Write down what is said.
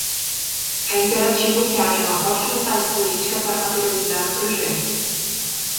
É imperativo que haja uma forte vontade política para materializar o projeto.